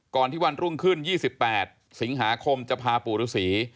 ที่วันรุ่งขึ้น๒๘สิงหาคมจะพาปู่ฤษี